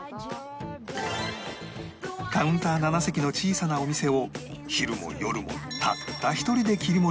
カウンター７席の小さなお店を昼も夜もたった１人で切り盛りする翔子さん